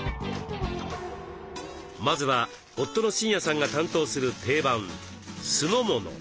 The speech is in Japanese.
まずは夫の真也さんが担当する定番酢の物。